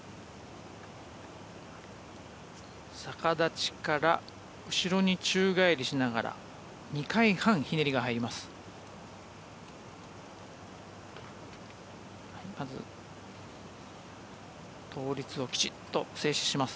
逆立ちから後ろに宙返りしながら２回半ひねりが入ります。